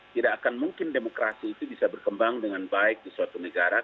tidak akan mungkin demokrasi itu bisa berkembang dengan baik di suatu negara